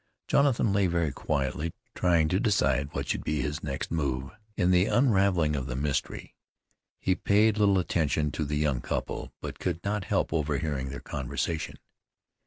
Jonathan lay very quietly, trying to decide what should be his next move in the unraveling of the mystery. He paid little attention to the young couple, but could not help overhearing their conversation.